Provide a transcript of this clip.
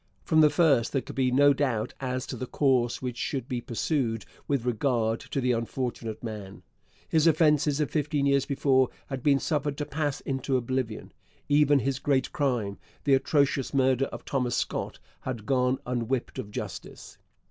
From the first there could be no doubt as to the course which should be pursued with regard to the unfortunate man. His offences of fifteen years before had been suffered to pass into oblivion. Even his great crime the atrocious murder of Thomas Scott had gone unwhipped of justice.